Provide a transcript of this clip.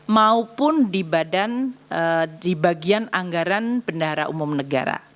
maupun di bagian anggaran bendahara umum negara